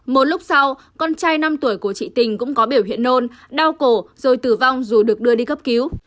một lúc sau con trai năm tuổi của chị tình cũng có biểu hiện nôn đau cổ rồi tử vong dù được đưa đi cấp cứu